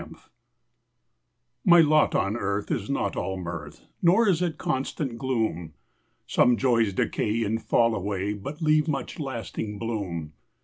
MY LOT My lot on earth is not all mirth, Nor is it constant gloom; Some joys decay and fall away, But leave much lasting bloom.